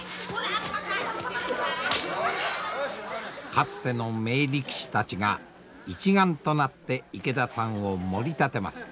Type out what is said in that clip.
かつての名力士たちが一丸となって池田さんをもり立てます。